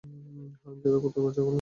হারামজাদা কুত্তার বাচ্চাগুলো!